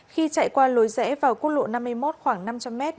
khi chạy qua lối rẽ vào quốc lộ năm mươi một khoảng năm trăm linh m